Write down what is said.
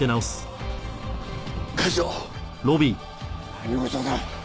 何事だ？